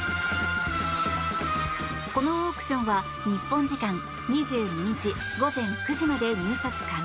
このオークションは日本時間２２日午前９時まで入札可能。